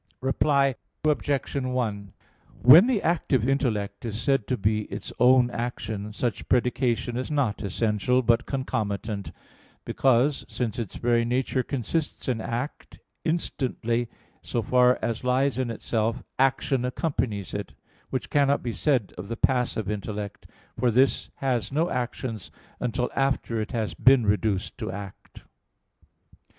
Reply Obj. 1: When the active intellect is said to be its own action, such predication is not essential, but concomitant, because, since its very nature consists in act, instantly, so far as lies in itself, action accompanies it: which cannot be said of the passive intellect, for this has no actions until after it has been reduced to act.